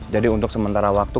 jadi untuk sementara waktu